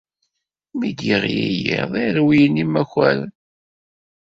Mi d-yeɣli yiḍ i rewlen imakaren.